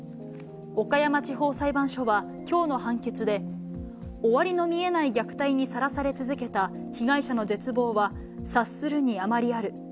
岡山地方裁判所は、きょうの判決で終わりの見えない虐待にさらされ続けた被害者の絶望は察するに余りある。